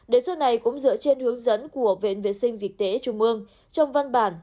đề xuất này cũng dựa trên hướng dẫn của viện viện sinh dịch tế trung mương trong văn bản